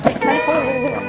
tadi aku ngeliat